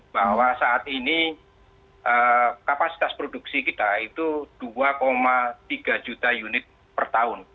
bahwa saat ini kapasitas produksi kita itu dua tiga juta unit per tahun